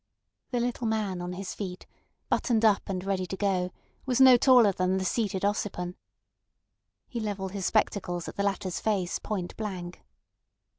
The little man on his feet, buttoned up and ready to go, was no taller than the seated Ossipon. He levelled his spectacles at the latter's face point blank.